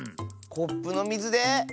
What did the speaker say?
コップのみずで？